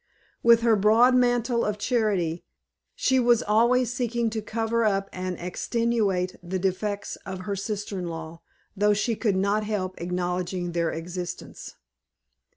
With her broad mantle of charity, she was always seeking to cover up and extenuate the defects of her sister in law, though she could not help acknowledging their existence.